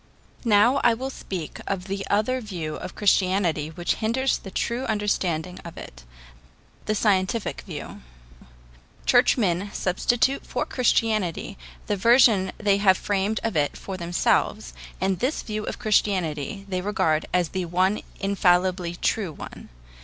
Now I will speak of the other view of Christianity which hinders the true understanding of it the scientific view. Churchmen substitute for Christianity the version they have framed of it for themselves, and this view of Christianity they regard as the one infallibly true one.